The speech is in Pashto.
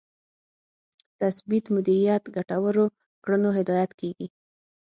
تثبیت مدیریت ګټورو کړنو هدایت کېږي.